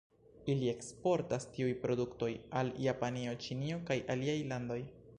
Ili eksportas tiuj produktoj al Japanio, Ĉinio kaj aliaj landoj.